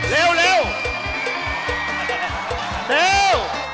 เร็วเร็ว